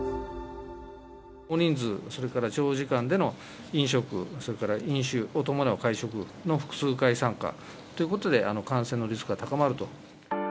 大人数、それから長時間での飲食、それから飲酒を伴う会食の複数回参加ということで、感染のリスクが高まると。